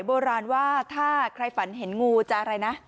โบราณว่าถ้าใครฝันเห็นงูจะอะไรนะ